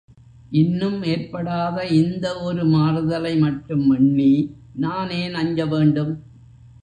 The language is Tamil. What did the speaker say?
இன்னும் ஏற்படாத இந்த ஒரு மாறுதலை மட்டும் எண்ணி, நான் ஏன் அஞ்ச வேண்டும்?